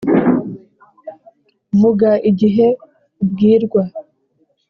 vuga igihe ubwirwa